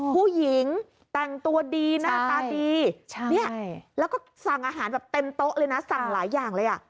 ผู้หญิงแต่งตัวดีหน้าตาดีแล้วก็สั่งอาหารแบบเต็มโต๊ะเลยนะสั่งหลายอย่างเลยอ่ะ